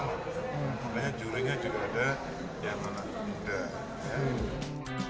makanya jurinya juga ada yang mana pindah